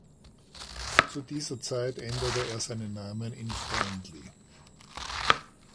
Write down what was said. Zu dieser Zeit änderte er seinen Namen in Friendly.